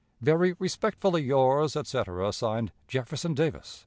"Very respectfully, yours, etc., (Signed) "Jefferson Davis."